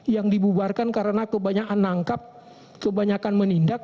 yang dibubarkan karena kebanyakan menangkap kebanyakan menindak